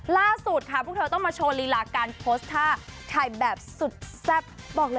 ล่าสุดค่ะพวกเธอต้องมาโชว์ลีหลาการโพสตาร์ถ่ายแบบสุดแซ่บ